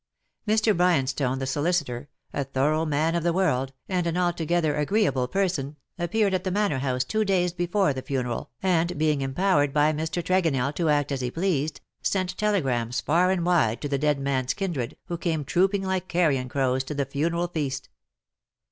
Mr. Bryanstone, the solicitor, a thorough man of the world, and an altogether agree able person, appeared at the Manor House two days before the funeral, and, being empowered by Mr. Tregonell to act as he pleased, sent telegrams far and wide to the dead man^s kindred, who came trooping like carrion crows to the funeral feast.